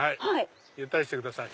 ゆったりしてください。